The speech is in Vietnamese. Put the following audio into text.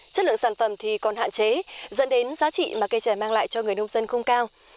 chất lượng sản phẩm thì còn hạn chế dẫn đến giá trị mà cây trẻ mang lại cho người nông dân không cao